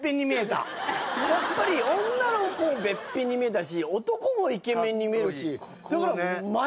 やっぱり女の子もべっぴんに見えたし男もイケメンに見えるしかっこいい